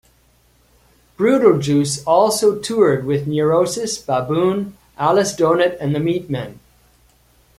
Brutal Juice also toured with Neurosis, Baboon, Alice Donut and The Meatmen.